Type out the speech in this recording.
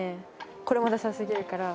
これもださすぎるから。